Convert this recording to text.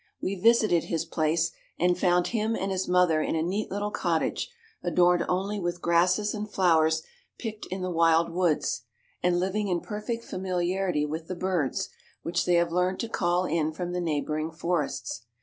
We visited his place, and found him and his mother in a neat little cottage, adorned only with grasses and flowers picked in the wild woods, and living in perfect familiarity with the birds, which they have learned to call in from the neighboring forests.